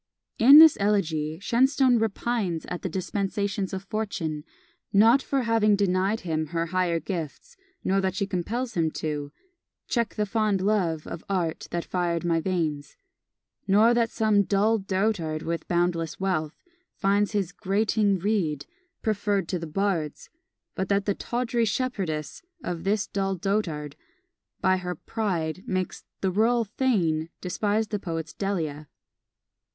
In this Elegy Shenstone repines at the dispensations of Fortune, not for having denied him her higher gifts, nor that she compels him to Check the fond LOVE OF ART that fired my veins; nor that some "dull dotard with boundless wealth" finds his "grating reed" preferred to the bard's, but that the "tawdry shepherdess" of this dull dotard, by her "pride," makes "the rural thane" despise the poet's Delia.